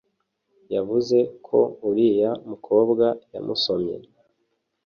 Yavuze ko uriya mukobwa yamusomye